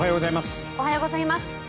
おはようございます。